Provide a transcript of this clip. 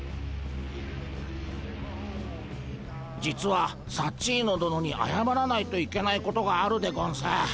実はサッチーノ殿にあやまらないといけないことがあるでゴンス。